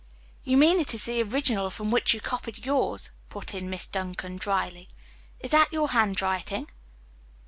"] "You mean it is the original from which you copied yours," put in Miss Duncan dryly. "Is that your hand writing?"